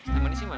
eteh manis gimana